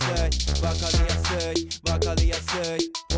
「わかりやすいわかりやすい」